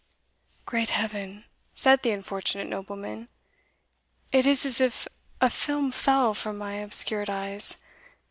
"Great Heaven!" said the unfortunate nobleman "it is as if a film fell from my obscured eyes!